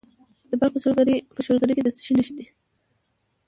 د بلخ په شولګره کې د څه شي نښې دي؟